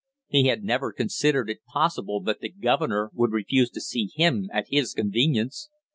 He had never considered it possible that the governor would refuse to see him at his convenience.